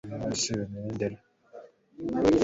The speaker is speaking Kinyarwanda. nuko ni bwo bagize bati turasezerera abaje kutugenderera